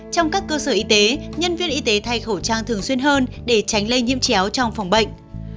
trong các cơ sở y tế nhân viên y tế thay khẩu trang thường xuyên hơn để tránh lây nhiễm chéo trong phòng bệnh